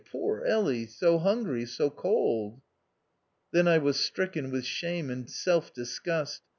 Poor Elly! so hungry, so cold !" Then I was stricken with shame and self disgust.